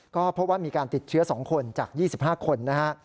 ก็พบว่ามีการติดเชื้อ๒คนจาก๒๕คนนะฮะ